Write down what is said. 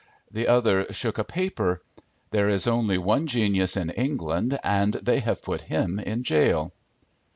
The other shook a paper: "There is only one genius in England and they have put him in jail."